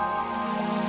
tak akan ada